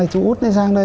chú út sang đây